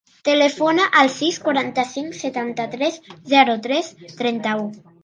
Telefona al sis, quaranta-cinc, setanta-tres, zero, tres, trenta-u.